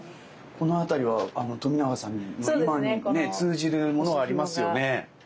この辺りは冨永さんに今にね通じるものがありますよね。